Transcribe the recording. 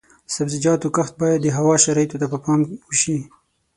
د سبزیجاتو کښت باید د هوا شرایطو ته په پام وشي.